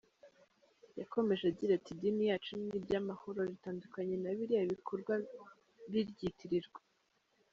Yakomeje agira ati “Idini yacu ni iry’amahoro, ritandukanye na biriya bikorwa biryitirirwa.